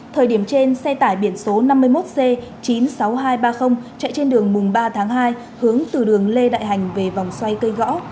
thời điểm trên xe tải biển số năm mươi một c chín mươi sáu nghìn hai trăm ba mươi chạy trên đường mùng ba tháng hai hướng từ đường lê đại hành về vòng xoay cây gõ